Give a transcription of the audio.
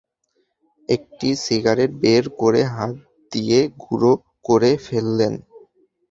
একটি সিগারেট বের করে হাত দিয়ে গুড়ো করে ফেললেন।